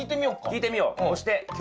聞いてみよう。